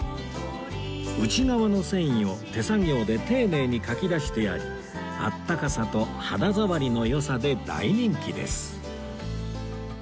内側の繊維を手作業で丁寧にかき出してありあったかさと肌触りの良さで大人気です